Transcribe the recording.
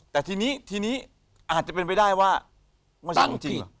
แต่ทีนี้ทีนี้อาจจะเป็นไปได้ว่าไม่ใช่จริง